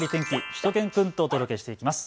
しゅと犬くんとお届けしていきます。